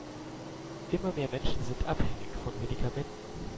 Immer mehr Menschen sind abhängig von Medikamenten.